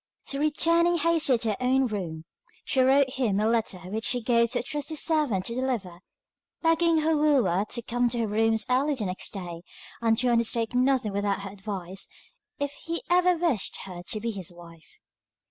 So returning hastily to her own room, she wrote him a letter which she gave to a trusty servant to deliver, begging her wooer to come to her rooms early the next day, and to undertake nothing without her advice, if he ever wished her to be his wife.